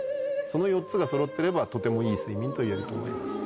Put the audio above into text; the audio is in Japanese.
その４つがそろってればとてもいい睡眠といえると思います。